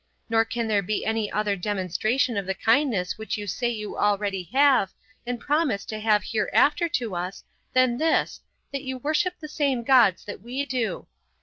Nor can there be any other demonstration of the kindness which you say you already have, and promise to have hereafter to us, than this, that you worship the same gods that we do.